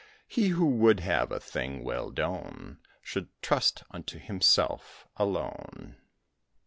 He who would have a thing well done Should trust unto himself alone.